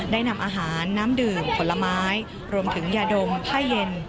ได้นำอาหารน้ำดื่มผลไม้รวมถึงยาดมผ้าเย็น